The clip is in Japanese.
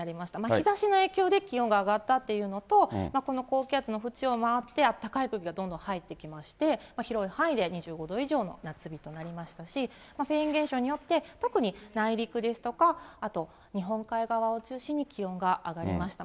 日ざしの影響で気温が上がったというのと、この高気圧の縁を回って、あったかい空気がどんどん入ってきまして、広い範囲で２５度以上の夏日となりましたし、フェーン現象によって特に内陸ですとか、あと日本海側を中心に気温が上がりました。